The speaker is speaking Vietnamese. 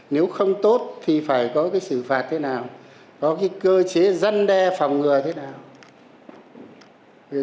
nếu không tốt thì phải có cái xử phạt thế nào có cái cơ chế dân đe phòng ngừa thế nào